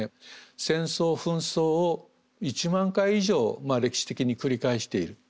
戦争紛争を１万回以上歴史的に繰り返している。